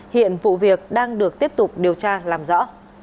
hiện vụ việc đang được tiếp tục điều tra làm rõ